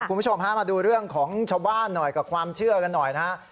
คุณผู้ชมฮะมาดูเรื่องของชาวบ้านหน่อยกับความเชื่อกันหน่อยนะฮะ